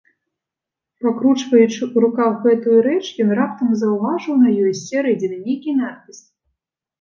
Пакручваючы ў руках гэтую рэч, ён раптам заўважыў на ёй з сярэдзіны нейкі надпіс.